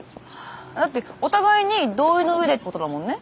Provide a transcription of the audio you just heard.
だってお互いに同意の上でってことだもんね。